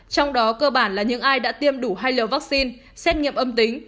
trong đó cơ bản là những ai đã tiêm đủ hai liều vaccine xét nghiệm âm tính